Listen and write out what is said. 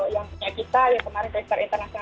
yang punya kita yang kemarin vector international